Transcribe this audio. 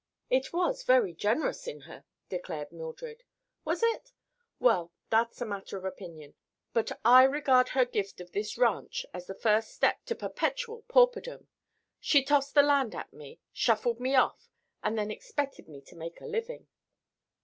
"It was very generous in her," declared Mildred. "Was it? Well, that's a matter of opinion. But I regard her gift of this ranch as the first step to perpetual pauperdom. She tossed the land at me, shuffled me off, and then expected me to make a living."